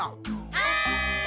はい！